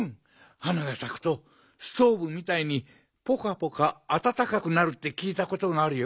花がさくとストーブみたいにぽかぽかあたたかくなるってきいたことがあるよ。